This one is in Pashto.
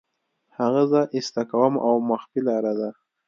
هغه زه ایسته کوم او مخفي لاره ده